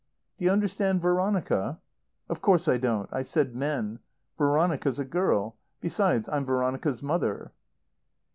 "Do you understand Veronica?" "Of course I don't. I said men. Veronica's a girl. Besides, I'm Veronica's mother."